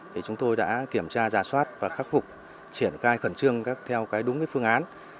thì chúng tôi đã kiểm tra giả soát và khắc phục triển khai khẩn trương theo đúng phương án